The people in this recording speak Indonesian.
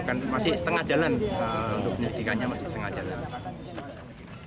kan masih setengah jalan untuk penyelidikannya masih setengah jalan